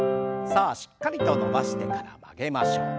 さあしっかりと伸ばしてから曲げましょう。